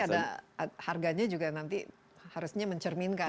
jadi berarti ada harganya juga nanti harusnya mencerminkan ya